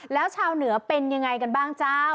แล้วชาวเหนือเป็นยังไงกันบ้างเจ้า